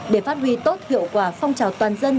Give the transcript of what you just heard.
để phát huy tốt hiệu quả phong trào toàn dân